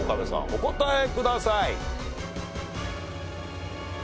お答えください。